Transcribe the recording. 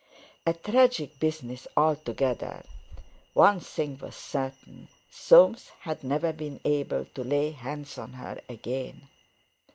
A tragic business altogether! One thing was certain—Soames had never been able to lay hands on her again.